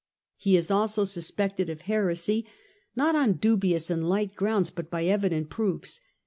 " He is also suspected of heresy ; not on dubious and light grounds, but by evident proofs.